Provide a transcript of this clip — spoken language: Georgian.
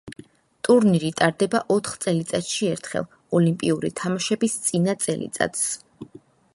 ტურნირი ტარდება ოთხ წელიწადში ერთხელ, ოლიმპიური თამაშების წინა წელიწადს.